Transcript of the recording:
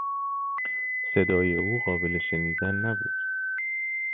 صدای او قابل شنیدن نبود.